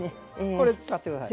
これ使ってください。